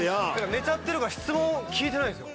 寝ちゃってるから質問を聞いてないんですよ